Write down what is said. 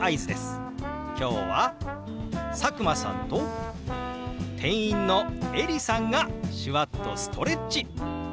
今日は佐久間さんと店員のエリさんが手話っとストレッチ！